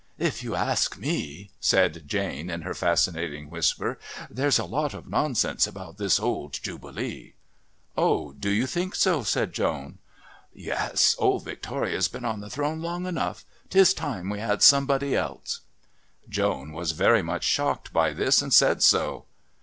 "If you ask me," said Jane in her fascinating whisper, "there's a lot of nonsense about this old Jubilee." "Oh, do you think so?" said Joan. "Yes. Old Victoria's been on the throne long enough, 'Tis time we had somebody else." Joan was very much shocked by this and said so.